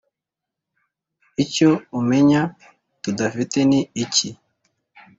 Icyo umenya tudafite ni iki?